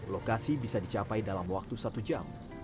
lokasi bisa dicapai dalam waktu satu jam